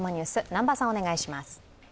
南波さん、お願いします。